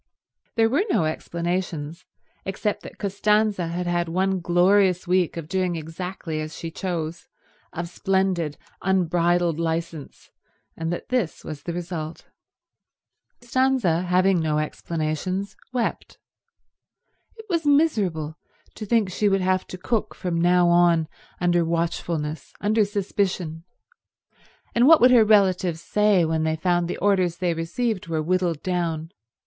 There were no explanations, except that Costanza had had one glorious week of doing exactly as she chose, of splendid unbridled licence, and that this was the result. Costanza, having no explanations, wept. It was miserable to think she would have to cook from now on under watchfulness, under suspicion; and what would her relations say when they found the orders they received were whittled down?